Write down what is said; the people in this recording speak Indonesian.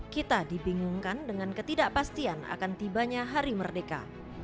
kita dibingungkan dengan ketidakpastian akan tibanya hari merdeka